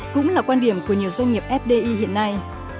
cũng là quan điểm của nhiều doanh nghiệp fdi hiện nay